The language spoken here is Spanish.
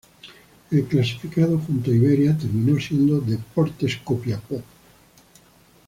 El clasificado, junto a Iberia, terminó siendo Deportes Copiapó.